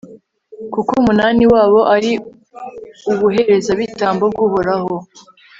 kuko umunani wabo ari ubuherezabitambo bw'uhoraho